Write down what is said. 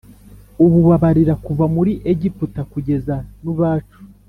ububabarira kuva muri Egiputa kugeza n’ubacu